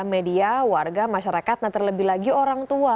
media warga masyarakat nah terlebih lagi orang tua